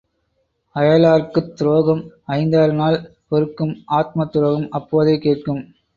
அயலார்க்குத் துரோகம் ஐந்தாறு நாள் பொறுக்கும் ஆத்மத் துரோகம் அப்போதே கேட்கும்.